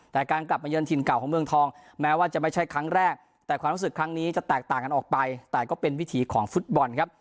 แต่การกลับมาเยินถิ่นเก่าของเมืองทองแม้ว่าจะไม่ใช่ครั้งแรกแต่ความรู้สึกครั้งนี้จะแตกต่างกันออกไปแต่ก็เป็นวิถีของฟุตบอลครับ